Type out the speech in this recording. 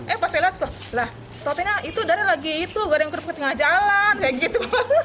eh pas saya lihat kok lah topenya itu dari lagi itu goreng kerupuk ke tengah jalan kayak gitu